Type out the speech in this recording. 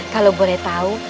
kalau boleh tahu